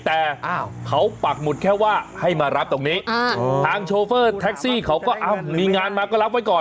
แต่เขาปักหมุดแค่ว่าให้มารับตรงนี้ทางโชเฟอร์แท็กซี่เขาก็มีงานมาก็รับไว้ก่อน